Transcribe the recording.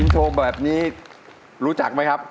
โปรดติดตามตอนต่อไป